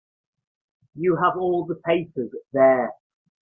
You have all the papers there.